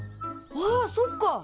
あっそっか！